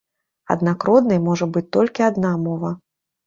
Аднак роднай можа быць толькі адна мова.